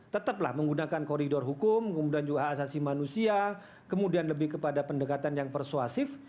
tetap menggunakan koridor hukum khasasi manusia kemudian lebih kepada pendekatan yang persuasif